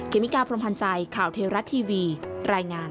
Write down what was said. เมกาพรมพันธ์ใจข่าวเทราะทีวีรายงาน